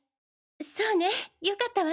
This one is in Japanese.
そうねよかったわ。